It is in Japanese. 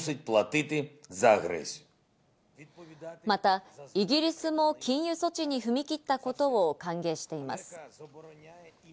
またイギリスも禁輸措置に踏み切ったことを歓迎しています。